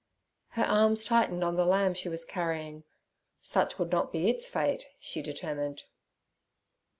Her arms tightened on the lamb she was carrying, such would not be its fate, she determined.